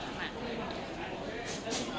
สวัสดีครับคุณผู้ชม